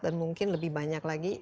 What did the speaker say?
dan mungkin lebih banyak lagi